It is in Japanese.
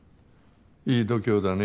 いい度胸だね。